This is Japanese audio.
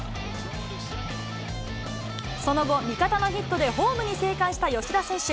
その後、味方のヒットでホームに生還した吉田選手。